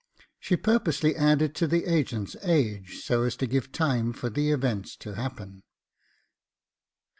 She purposely added to the agent's age so as to give time for the events to happen.